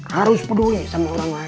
harus peduli sama orang lain